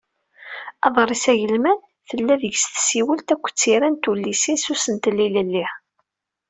Aḍris agelman, tella deg-s tsiwelt akked tira n tullist, s usentel ilelli.